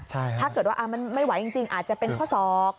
ถ้าเกิดว่ามันไม่ไหวจริงอาจจะเป็นข้อศอก